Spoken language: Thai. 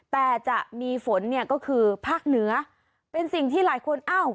แต่จะมีฝนเนี่ยก็คือภาคเหนือเป็นสิ่งที่หลายคนอ้าว